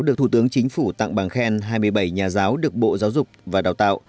được thủ tướng chính phủ tặng bằng khen hai mươi bảy nhà giáo được bộ giáo dục và đào tạo